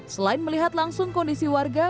selain melihat langsung kondisi warga